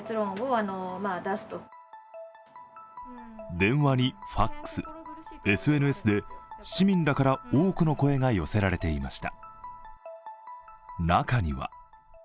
電話にＦＡＸ、ＳＮＳで市民らから多くの声が寄せられていました。